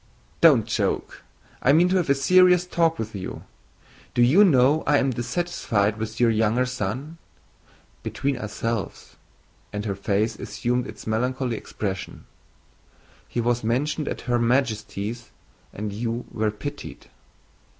"Don't joke; I mean to have a serious talk with you. Do you know I am dissatisfied with your younger son? Between ourselves" (and her face assumed its melancholy expression), "he was mentioned at Her Majesty's and you were pitied...."